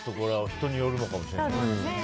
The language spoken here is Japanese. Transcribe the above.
人によるのかもしれないですね。